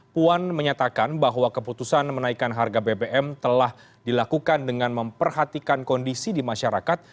puan menyatakan bahwa keputusan menaikan harga bbm telah dilakukan dengan memperhatikan kondisi di masyarakat